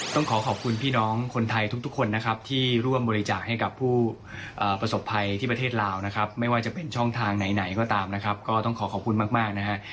ต้องขอขอบคุณพี่น้องคนไทยทุกคนนะครับที่ร่วมบริจาคให้กับผู้ประสบภัยที่ประเทศลาวนะครับไม่ว่าจะเป็นช่องทางไหนก็ตามนะครับก็ต้องขอขอบคุณมากนะฮะ